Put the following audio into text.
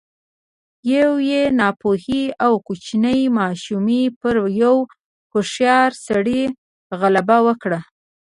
يوې ناپوهې او کوچنۍ ماشومې پر يوه هوښيار سړي غلبه وکړه.